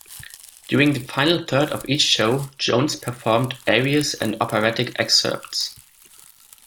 During the final third of each show, Jones performed arias and operatic excerpts.